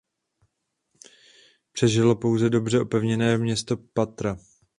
Přežilo pouze dobře opevněné město Patra.